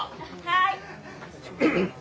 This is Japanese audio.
はい。